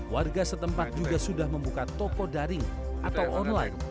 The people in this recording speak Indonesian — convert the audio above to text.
warga setempat juga sudah membuka toko daring atau online